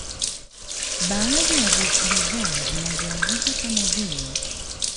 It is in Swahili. Baadhi ya bidhaa zinazoagizwa ni kama vile